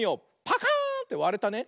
パカーンってわれたね。